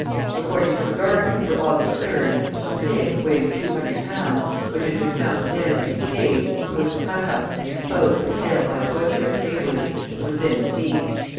According to the Guardian for August 3rd, a pig, weighing 200 pounds, which had been found dead and decayed, was cut up and exposed for sale by a butcher at Heywood, and was then seized.